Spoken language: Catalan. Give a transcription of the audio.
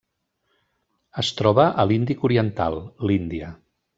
Es troba a l'Índic oriental: l'Índia.